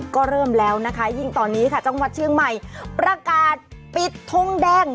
ก็เริ่มแล้วนะคะยิ่งตอนนี้ค่ะจังหวัดเชียงใหม่ประกาศปิดทงแดง